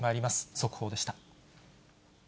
速報でした。